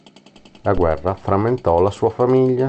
La guerra frammentò la sua famiglia.